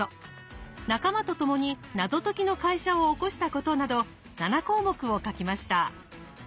仲間と共に謎解きの会社を興したことなど７項目を書きました。